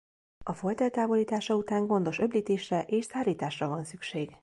A folt eltávolítása után gondos öblítésre és szárításra van szükség.